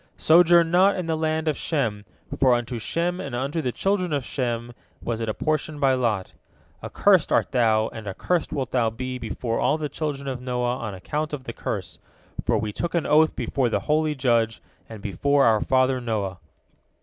Sojourn not in the land of Shem, for unto Shem and unto the children of Shem was it apportioned by lot. Accursed art thou, and accursed wilt thou be before all the children of Noah on account of the curse, for we took an oath before the holy Judge and before our father Noah."